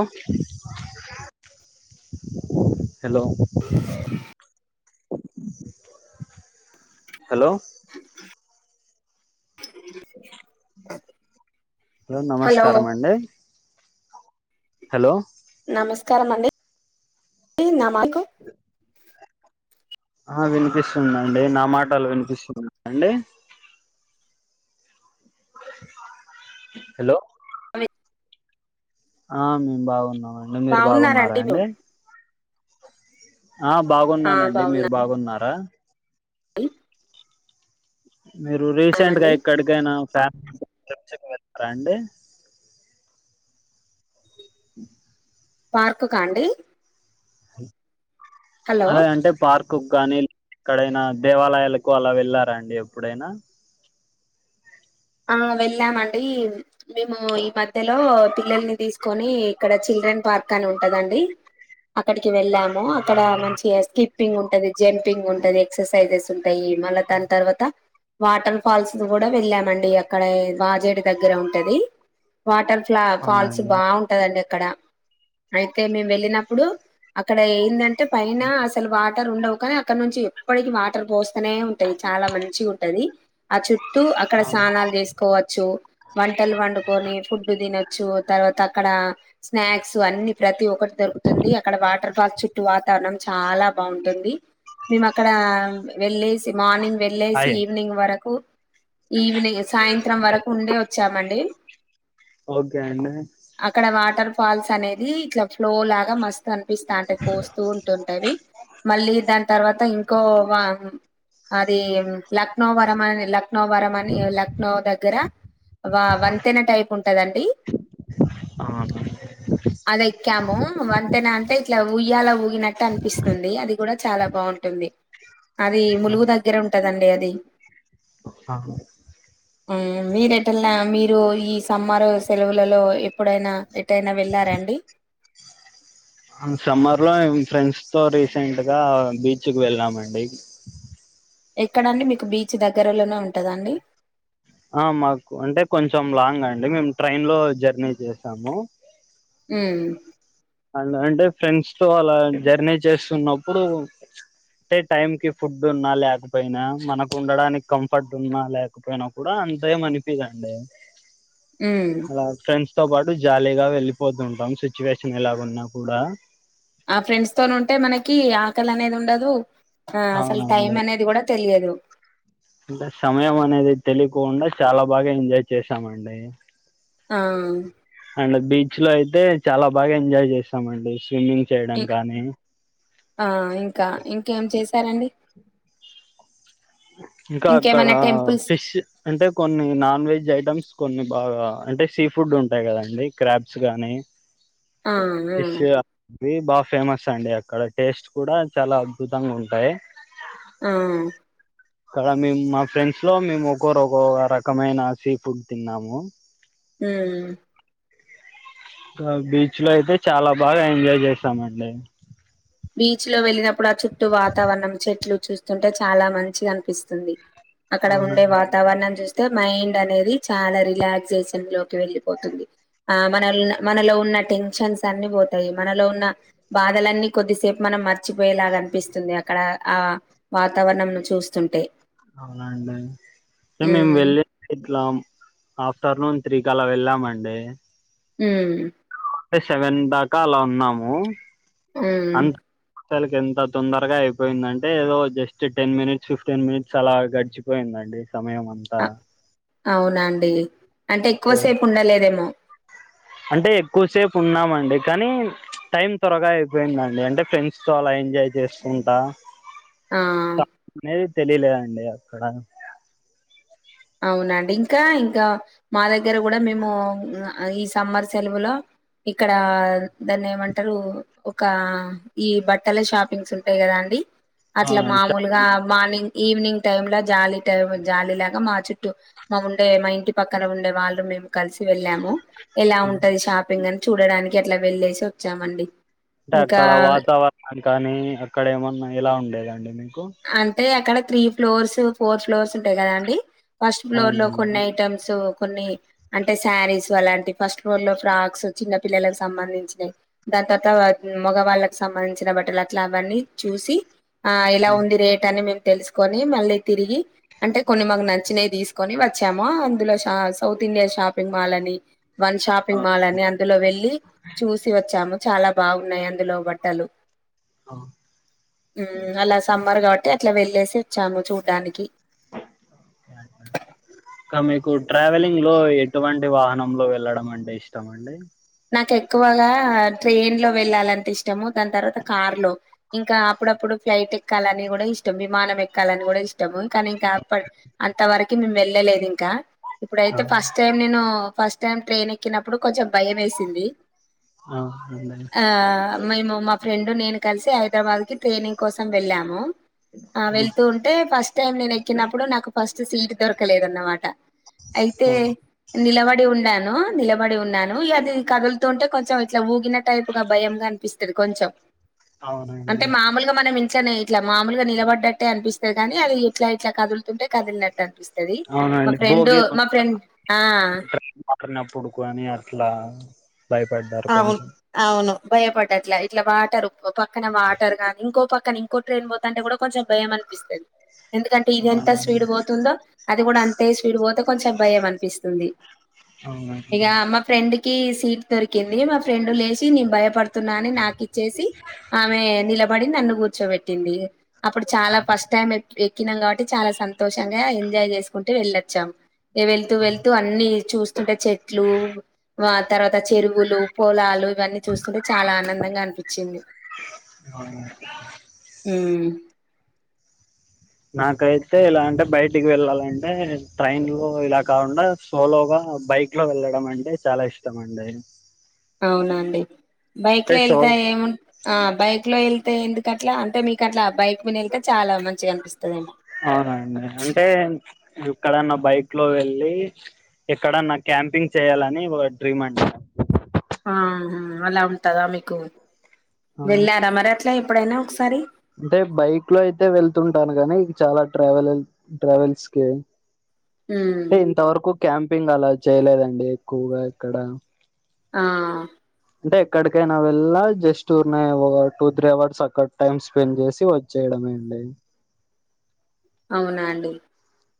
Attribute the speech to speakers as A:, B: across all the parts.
A: ఓ hello hello hello నమస్కారమండి hello
B: నమస్కారం అండి నామాయి
A: అ ఆ వినిపిస్తుందిండి నా మాటలు వినిపిస్తున్నా అండి హలో
B: అది
A: ఆ మేము బావున్నామండి. మీరు బావున్నారా
B: బాగున్నారండి మీరు
A: అండి? ఆ
B: ఆ
A: బాగున్నానండి, మీరు
B: బాగున్నాండి
A: బాగున్నారా? మీరు రీసెంట్గా
B: బాగున్నామండి
A: ఎక్కడికైనా ఫ్యామి పిలచుకుని వెళ్తారా అండి? హ
B: పార్కుకా అండి
A: అలాగంటే పార్కు కానీ ఎక్కడైనా దేవాలయాలకు అలా వెళ్ళారాండి ఎప్పుడైనా
B: ఆ వెళ్ళామండి మేము ఈ మధ్యలో పిల్లల్ని తీస్ కొని ఇక్కడ చిల్డ్రన్ పార్క్ అని ఉంటదండి అక్కడి వెళ్ళాము అక్కడ మంచిగ స్కిప్పింగ్ ఉంటంది జంపింగ్ ఉంటది ఎక్ససైజెస్ ఉంటాయి మళ్ళ దాని తర్వాత వాటర్ ఫాల్స్ది కూడా వెళ్ళా మండి అక్కడ వాజేడి దగ్గర ఉంటది వాటర్ ఫ్లా ఫాల్స్
A: అవునండి
B: బాగుంటదండి అక్కడ అయితే మేము వెళ్ళినప్పుడు అక్కడ ఏందంటే పైన అసలు వా వాటర్ ఉండవు కానీ అక్కడ నుంచి ఎప్పటికి వాటర్ పోస్తనే ఉంటాయి చాలా మంచి ఉంటది ఆ చుట్టూ అక్కడ స్నానాలు చేసుకోవచ్చు వంటలు వండుకొని ఫుడ్ తినొచ్చు తర్వాత అక్కడ స్నాక్స్ అన్ని ప్రతి ఒక్కటి దొరుకుతుంది అక్కడ వాటర్ వాల్ చుట్టూ వాతావరణం చాలా బాగుంటుంది మేము అక్కడ వెళ్ళేస్ మార్నింగ్ వెళ్లేేసి
A: అయే
B: ఈవినింగ్ వరకు ఈవినింగ్ సాయంత్రం వరకు ఉండే వచ్చామండి
A: ఒకే అండి
B: అక్కడ వాటర్ ఫాల్స్ అనేది ఇట్లా ఫ్లో లాగా మస్త్ కనిపిస్తాంటే పోస్తూ ఉంటుంటవి మళ్ళీ దాని తర్వాత ఇంకో వ అది లక్నో వరంని లక్నో వరంన్ లక్నో దగ్గర వా వంతెన టైప్ ఉంటదండి అదైక్కము వంతెనా అంతె ఇ ఇట్ల ఊయ్యాల ఊగినట్టు అనిపిస్తుంది అది కూడా చాలా బాగుంటుంది అది ములుగు దగ్గర ఉంటదండి అది
A: అ ఆ
B: ఊ మెరెట్టల్ల మీరు ఈ సమ్మరు సెలవులలో ఎప్పుడైనా ఎట్టైనా వెళ్ళారండి
A: సమ్మర్ లోే ఫ్రెండ్స్ తో రీసెంట్ గా బీచ్ కు వెళ్ళామండి
B: ఎక్కడండి మీకు బీచ్ దగ్గరలోనే ఉంటదండి
A: ఆ మాకు అంటే కొంచెం లాంగ్ అండి మేము ట్రైన్ లో జర్నీ చేసాము
B: ఉ
A: అండ్ అంటె ఫ్రెండ్స్ తో అలా జర్నీ చేస్తున్నప్పుడు అంటే టైం కి ఫుడ్ ఉన్నా లేకపోయినా మనకు ఉండడానికి కంఫర్ట్ ఉన్నా లేకపోయినా కూడా అంత ఏం అనిపిదండి
B: హ్మ్
A: అలా ఫ్రెండ్స్ తో పాటు జాలీగా వెళ్ళిపోతుంటాం సిచ్యువేషన్ ఎలాగున్నా కూడా
B: ఆ ఫ్రెండ్స్ తోనుంటె మనకి ఆకలి అనేది ఉండదు ఆ అసలు టైం
A: అవునండి
B: అనేది కూడా తెలియదు
A: అంటే సమయం అనేది తెలియకుండా చాలా బాగా ఎంజాయ్ చేసామండి
B: ఆ
A: బీచ్లో అయితే చాలా బాగా ఎంజాయ్ చేశామండి
B: ఇ ఆ ఇంకా ఇంకేం చేశారండి
A: ఇంకా అక్కడ
B: ఇంకేమైనా టెంపుల్స్
A: ఫిష్ అంటే కొన్ని నాన్ వెజ్ ఐటమ్స్ కొన్ని బాగా అంటే సీ ఫుడ్ ఉంటాయి కదాండి క్రాబ్స్ గానీ
B: ఆ
A: ఫిష్
B: ఆ
A: అది బా ఫేమస్ అండి అక్కడ టేస్ట్ కూడా చాలా అద్భుతంగా ఉంటాయ్
B: లేరన్
A: అక్కడ మేము మా ఫ్రెండ్స్ లో మేము ఒకరు ఒక రకమైన సీ ఫుడ్ తిన్నాము
B: హుమ్
A: బీచ్ లో అయితే చాలా బాగా ఎంజాయ్ చేశాం అండి
B: బీచ్ లో వెళ్ళినప్పుడు ఆ చుట్టూ వాతావరణం చెట్లు చూస్తుంటే చాలా మంచిగా అనిపిస్తుంది అక్కడ ఉండే
A: అవునండి
B: వాతావరణం చూస్ మైండ్ అనేది చాలా రిలాక్సేషన్ లోకి వెళ్ళిపోతుంది ఆ మన మనలో ఉన్ టెన్షన్స్ అన్ని పోతాయి మనలో ఉన్న బాధలనీ కొద్దిసేపు మనం మర్చిపోయేలాగా అనిపిస్తుంది అక్కడ ఆ వాతావరణంను చూస్తుంటే
A: అవునండి మేము
B: ఉమ్
A: వెలే ఇట్లాం ఆఫ్టర్నూన్ త్రీ కళ వెళ్ళామండి
B: ఉమ్
A: ఒక సెవెన్ దాకా అలా ఉన్నాము
B: ఉమ్
A: అసాలకి ఎంత తొందరగా అయిపోయిందంటే ఏదో just ten minutes fifteen minutes అలా గడిచిపోయిందండి సమయం అంతా
B: అవునాండి అంటే ఎక్కువసేపు ఉండలేదేమో
A: అంటే ఎక్కువసేపు ఉన్నామండి కానీ టైం త్వరగా అయిపోయిందండి అంటే ఫ్రెండ్స్ తో అలా ఎంజాయ్ చేస్తుంటా
B: ఆ
A: టైమ్ అనేది తెలియాలేదండి అక్కడ
B: అవునండి ఇంకా ఇంకా మా దగ్గర కూడా మేము ఈ సమ్మర్ సెలవులో ఇక్కడ దాన్ని ఏమంటారు ఒక ఈ బట్టల షాప్ న్స్ ఉంటాయి కదండీ అట్లా
A: అవునండి
B: మామూలుగా
A: షాపింగ్
B: మార్నింగ్ ఈవినింగ్ టైంలో జాలీ టైం జాలీ లాగా మా చుట్టూ మా ఉండే మా ఇంటి పక్కన ఉండే వాళ్ళు మేము కలిసి వెళ్ళాము ఎలా ఉంటది షాపింగ్ అని చూడడానికి అట్లా వెళ్లేేసి
A: అంటే అక్కడ వాతావరణం కానీ అక్కడ ఏమన్నా ఎలా ఉండేదండి మీకు
B: అంటే అక్కడ త్రీ ఫ్లోర్స్ ఫోర్ ఫ్లోర్స్ ఉంటాయి కదండీ ఫస్ట్ ఫ్లోర్ లో
A: అవునండి
B: కొన్ని ఐటమ్స్ కొన్ని అంటే శారీస్ అలాంటి ఫస్ట్ ఫ్లోర్లో ఫ్రాక్స్ చిన్న పిల్లలకు సంబంధించినాయి డై మగవాళ్ళకి సంబంధించిన బట్టలు అట్లా అవన్నీ చూసి ఆ ఇలా ఉ మేం తెసుకొని మళ్ళీ తిరిగి అంటే కొన్ని మాకు నచ్చినయి తీసుకొని వచ్చామ అందులో షా సౌత్ ఇండియా షాపింగ్ మాల్ అని వన్
A: ఆ,
B: షాపింగ్ మాల్ అని అందులో వెళ్ళి చూసి వచ్చాము చాలా బాగున్నాయి అందులో బట్టలు
A: ఆ.
B: ఉమ్ అలా స సమరు కాబట్టి అట్లా వెళ్లేేసి వచ్చాము చూడ్డానికి
A: ఇంకా మీకు ట్రావెలింగ్ లో ఎటువంటి వాహనంలో వెళ్ళడం అంటే ఇష్టం అండి
B: నాకు ఎక్కువగా ట్రైన్ లో వెళ్ళాలంట ఇష్టము దాని తర్వాత కార్ లో ఇంకా అప్పుడప్పుడు ఫ్లైట్ ఎక్కాలని కూడా ఇష్టం విమానం ఎక్కాలని కూడా ఇష్ ఇవాం కానీ ఇంకా అప్ప అంత వరకు మేము వెళ్ళలేదు ఇంకా ఇప్పుడైతే
A: ఆ.
B: ఫస్ట్ టైం నేను ఫస్ట్ టైం ట్రైన్ ఎక్కినప్పుడు కొంచెం భయం వే సింది
A: అవునండి
B: ఆ మేము మాక్ ఫ్రెండ్ నేను కలిసి హైదరాబాద్ కి ట్రైనింగ్ కోసం వెళ్ళాము ఆ
A: అవు
B: వెళ్తూ ఉంటే ఫస్ట్ టైం నేను ఎక్కినప్పుడు నాకు ఫస్ట్ సీట్ దొరకలేదన్నమాట అయితే నిలబడి ఉంనాను నిలబడి ఉన్నాను లేదే కదులుతుంటే కొంచెం ఇట్లా ఊగిన టైపు గా భయంగా అనిపిస్తుది కొంచెం అంటే
A: అవునండి
B: మామూలుగా మనం ఇంచనే ఇట్లా మామలుగా నిలబడ్డట్టే అనిపిస్త కగని అది ఇట్ల ఇట్ల కదులుతుంటే కదిలినట్టు అనిపిస్తుది మా ఫ్రెండ్ మా ఫ్రెండ్ ఆ
A: ఇ మాత్రనప్పుడుకని అట్లా భయపడ్డారు
B: అవును
A: కొంచెం
B: అవును భయపడ్డట్లా ఇట్లా వాటర్ పక్కన వాటర్ కానీ ఇంకో పక్ కన ఇంకో ట్రైన్ పోతాంటే కూడా కొంచెం భయం అనిపిస్తది ఎందుకంటే ఇది ఎంత
A: అవునండి
B: స్పీడ్ పోతుందో అది కూడా అంతే స్పీడ్ పోతే కొంచెం భయం అనిపిస్తుంది
A: అవునండి
B: ఇగ మా ఫ్రెండ్కి సీట్ దొర్ కింది మా ఫ్రెండ్ లేసి నేను భయపడుతున్నా అని నాకిచ్చేసి ఆమె నిల పడి నన్ను కూర్చోబెట్టింది అప్పుడు చాలా ఫస్ట్ టైం ఎక్కినాం కాబట్టి చాలా సంతోషంగా ఎంజాయ్ చేసుకుంటు వెళ్ళొచ్చాం వెళ్తూ వెళ్తూ అన్ని చూస్తుంటే చెట్లు వ తర్వాత చెరువు పులు పొలాలు ఇవన్నీ చూస్తుంటే చాలా ఆనందంగా అనిపిచింది
A: అవును
B: ఉ
A: నాకైతే ఇలా అంటే బయటికి వెళ్ళలంటే ట్రైన్ లో ఇలా కాకుండా సోలోగా బై బైక్లో వెళ్ళడం అంటే చాలా ఇష్టం అండి
B: అవునండి బైక్ లో
A: సో
B: ఎళ్తే ఏము ఆ బైక్ లో ఎళ్ తే ఎందుకట్లా అంటే మీకు అట్ల బై మిన ఎళ్తే చాలా మంచిగా అనిపిస్తదఎమో
A: ఇక్కడన్న బైక్ లో వెళ్ళి ఎక్కడన్నా క్యాంపింగ్ చేయ్యాలని ఒక డ్రీమ్ అండి
B: ఆహ అలా ఉంటదా మీకు
A: ఆ
B: వెళ్ళారా మరి అట్లా ఎప్పుడైనా ఒకసారి
A: అంటే బైక్ లో అయితే వెళ్తుంటాను గని చాలా ట్రావెల ట్రావెల్స్ కే
B: ఉమ్
A: అంటె ఇంతవరకు క్యాంపింగ్ అలా చేయలేదండి ఎక్కువగా ఎక్కడ
B: ఆ
A: అంటే ఎక్కడికైనా వెళ్ళ జస్ట్ ఉర్నే ఒక టూ త్రీ అవర్స్ అక్కడ టైమ్ స్పెండ్ చేసి వచ్చేయడం అండి
B: అవునా అండి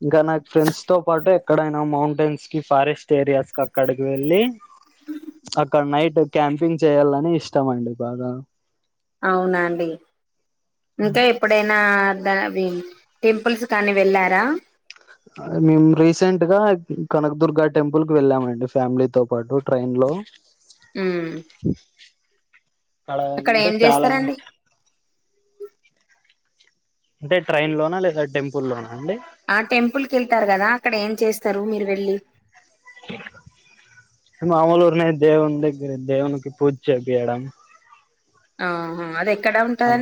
A: ఇంకా నాకు ఫ్రెండ్స్ తో పాటు ఎక్కడైనా మౌంటైన్స్ కి ఫారెస్ట్ ఏరియాస్ కక్కడికి వెళ్ళి అక్కడ నైట్ క్యాంపింగ్ చెయ్యల్లని ఇష్టమండి బాగా
B: అవునాండి ఇంకా ఎప్పుడైనా దావి టెంపుల్స్ కానీ వెళ్లారా
A: మేము రీసెంట్ గా కనకదుర్గ టెంపుల్ కి వెళ్ళామండి ఫ్యామిలీతో పాటు ట్రైన్ లో
B: ఊ అక్కడ
A: అంటే
B: ఏం
A: చాలా
B: చేస్తరండి
A: అంటే ట్రైన్ లోనా లేదా టెంపు లోనా అండి
B: ఆ టెంపుల్కి వెళ్తారు కదా అక్కడ ఏం చేస్తారు మీరు వెళ్ళి
A: ఆ మామలురునే దేవుని దగ్గర దేవునికి పూజ చేపియడం
B: ఆహ
A: అ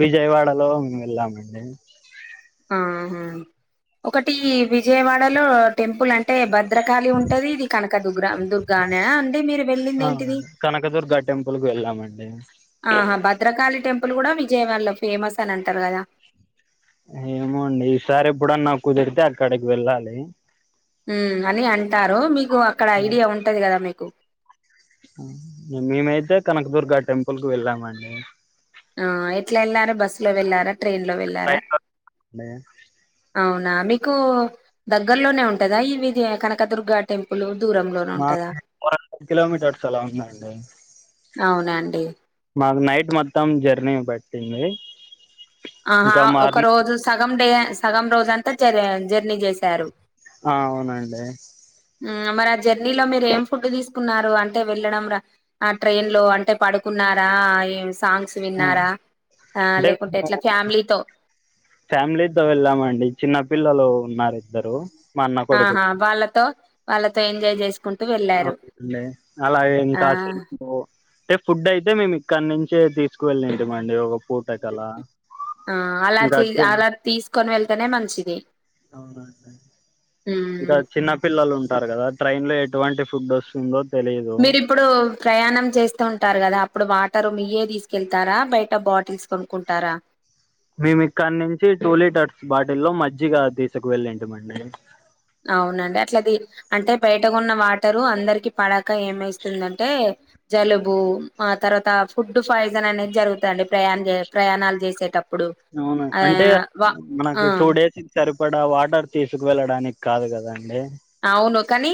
A: విజయవాడలో ము వెళ్ళామండి
B: ఆహా ఒకటి విజయవాడలో టెంపుల్ అంటే భద్రకాళి ఉంటది ఇది కనక దగ్రా దుర్గానే అంటే మీరు వెళ్ళింది
A: ఆ
B: ఏంటిది
A: కనకదుర్గ టెంపుల్కి వెళ్ళామండి
B: ఆహా భద్రకాళి టెంపుల్ కూడా విజయవాడలో ఫేమస్ అని అంటారు కదా
A: ఏమోండి ఈసారి ఎప్పుడన్నా కుదిరితే అక్కడికి వెళ్ళాలి
B: అని అంటారు మీకు అక్కడ ఐడియా ఉంటది కదా మీకు
A: ఆ మేమైతే కనకదుర్గ టెంపుల్కి వెళ్ళామండి
B: ఆ ఎట్లా వెళ్లారా బస్సు లో వెళ్ళారా ట్రైన్ లో వెళ్ళారా
A: ట్రైన్లో అండి
B: అవునా మీకు దగ్గర్లోనే ఉంటదా ఇవిది కనకదుర్గ టెంపుల్ దూరంలోనే ఉంటదా
A: మాకు ఫోర్ హండ్రెడ్ కిలోమీటర్స్ అలా ఉందండి
B: అవునండి
A: మాకు నైట్ మొత్తం జర్నీ పట్టింది
B: ఆహా
A: ఇంకా
B: ఒక
A: మార్నింగ్
B: రోజు సగం డే సగం రోజు అంతా జ జర్నీ చేశారు
A: ఆ అవునండి
B: ఉహు మరి జర్నీలో మీరు ఏం ఫుడ్ తీసుకున్నారు అంటే వెళ్ళడం రా ఆ ట్రైన్ లో అంటే పడుకు న్నారా ఏ సాంగ్స్ విన్నారా లేకుంటే ఎట్లా
A: అంటే
B: ఫ్యామిలీతో
A: ఫ్యామిలీతో వెళ్ళామండి చిన్న పిల్లలు ఉన్నారు ఇద్దరు మా అన్న కొడుకులు
B: ఆహా వాళ్ళతో వాళ్ళతో ఎంజాయ్ చేసుకు
A: అవుండి అలాగే
B: ఆ
A: ఇంకా చె అంటే ఫుడ్ అయితే మేము ఇక్కడి నుం చే తీసుకువెళ్ళి ఏంటిమండి ఒక పూట కల
B: ఆ అలా తీ అలా తీసుకొని వెళ్తేనే మంచిది
A: అవునండి
B: మ్మ్
A: ఇంకా చిన్న పిల్లలు ఉంటారు కదా ట్రైన్ లో ఎటువంటి ఫుడ్ వస్తుందో తెలియదు
B: మీరిప్పుడు ప్రయాణం చేస్తూ ఉంటారు కదా అప్పుడు వాటరు మీ ఇంటియే తీసుకెళ్తారా బయట బాటిల్స్ కొనుకుంటారా
A: మేమి ఇక్కడి నుంచి టూ లీటర్స్ బాటిల్లో మజ్జిగ తీసుకు వెళ్ళంటమండి
B: అవునండి అట్లది అంటే బయటకున్న వాటరు అందరికి పడక ఏమేస్తుందంటే జలుబు ఆ తర్వాత ఫుడ్ పాయిజన్ అనేది జరుగుతుండి ప్రయాణ ప్రయాణాలు చేసేటప్పుడు
A: అవును
B: ఆ
A: అంటే
B: వా ఆ
A: మనకి టూ డేస్ ఇచ్చారు ఇక్కడ వాటర్ తీసుకువెెళ్ళడానికి కాదు కదాండి
B: అవును కానీ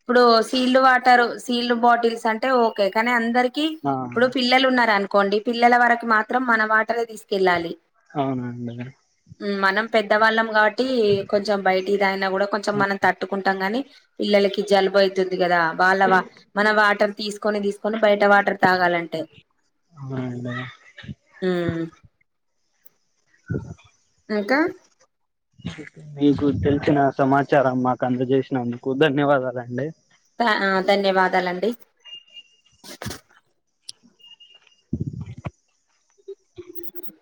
B: ఇప్పుడు సీల్డ్ వాటర్ సీల్డ్ బాటిల్స్ అంటే ఓకే కానీ అందరికి
A: ఆ
B: ఇప్పుడు పిల్లలు ఉన్నారురను కొండి పిల్లల వరకు మాత్రం మన వాటరయే తీసుకెళ్ళాలి
A: అవునండి
B: మనం పెద్దవాళ్ళం కాబట్టి కొంచెం బయటియి తగ్గినా కూడా కొంచెం మనం కుంటాం గాని పిల్లలకి జలుబు అతుంది కదా వాళ్ళ మనం వాటర్ తీసుకొని తీసుకొని బయట వాటర్ తాగాలంటే
A: అవునండి
B: ఉమ్ ఇంకా
A: మీకు తెలిసిన సమాచారం మాకు అందజేసినందుకు ధన్యవాదాలండి
B: ధ- ఆ, ధన్యవాదాలండి [unintelligible]